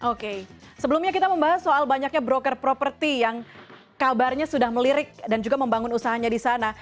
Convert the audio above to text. oke sebelumnya kita membahas soal banyaknya broker properti yang kabarnya sudah melirik dan juga membangun usahanya di sana